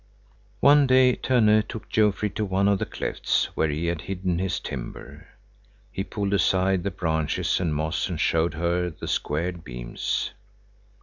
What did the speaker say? One day Tönne took Jofrid to one of the clefts, where he had hidden his timber. He pulled aside the branches and moss and showed her the squared beams.